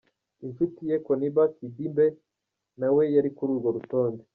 Inshuti ye, Koniba Sidibé, nawe ari kuri urwo rutonde.